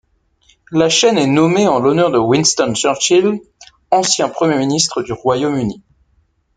La chaîne est nommée en l'honneur de Winston Churchill, ancien Premier ministre du Royaume-Uni.